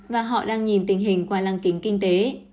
và họ đang nhìn tình hình qua lăng kính kinh tế